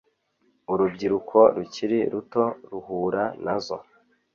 urubyiruko rukiri ruto ruhura nazo